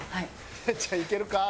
稲ちゃんいけるか？